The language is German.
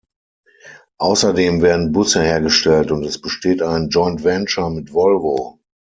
Außerdem werden Busse hergestellt und es besteht ein Joint-venture mit Volvo.